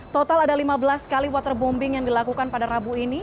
total ada lima belas kali waterbombing yang dilakukan pada rabu ini